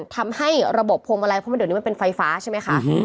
ทำให้ระบบพวงมาลัยเพราะมันเดี๋ยวนี้มันเป็นไฟฟ้าใช่ไหมคะ